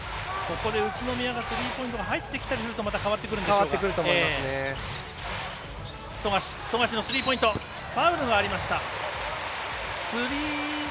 宇都宮がスリーポイント入ってきたりするとまた変わってくるんでしょうが。